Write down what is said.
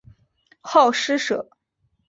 好施舍。